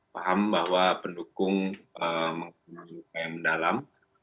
paham bahwa pendukung mendalam